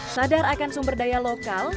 sadar akan sumber daya lokal